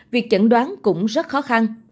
việc chẩn đoán cũng rất khó khăn